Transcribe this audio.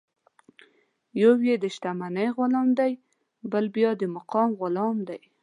یو یې د شتمنۍ غلام دی، بل بیا د مقام غلام دی.